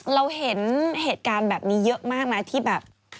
เราเห็นเหตุการณ์แบบนี้เยอะมากนะที่แบบ